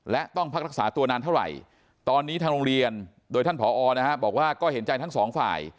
และต้องพักรักษาตัวนานเท่าไหร่ตอนนี้ทางโรงเรียนโดยท่านผอนะฮะบอกว่าก็เห็นใจทั้งสองฝ่าย